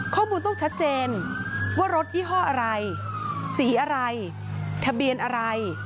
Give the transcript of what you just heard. ข้อมูลต้องชัดเจนว่ารถยี่ห้ออะไรสีอะไรทะเบียนอะไร